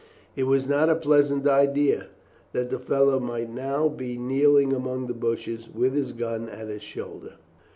It was not a pleasant idea, that the fellow might now be kneeling among the bushes with his gun at his shoulder.